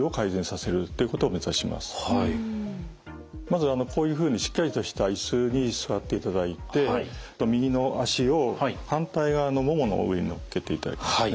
まずこういうふうにしっかりとしたいすに座っていただいて右の足を反対側のももの上に乗っけていただきますね。